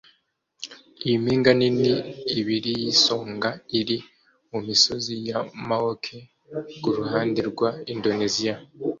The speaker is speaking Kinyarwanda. Iyi mpinga nini ibiri yisonga iri mumisozi ya Maoke kuruhande rwa Indoneziya